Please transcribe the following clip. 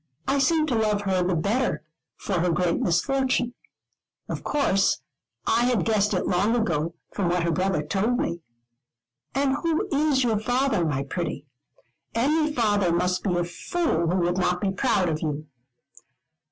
I seemed to love her the better, for her great misfortune. Of course, I had guessed it long ago, from what her brother told me. "And who is your father, my pretty? Any father must be a fool who would not be proud of you."